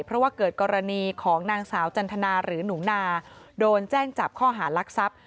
เพราะว่าเกิดกรณีของนางสาวจันทนาหรือหนูนาโดนแจ้งจับข้อหารักทรัพย์